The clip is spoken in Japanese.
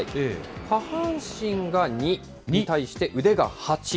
下半身が２に対して、腕が８。